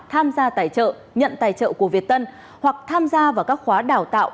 tham gia tài trợ nhận tài trợ của việt tân hoặc tham gia vào các khóa đào tạo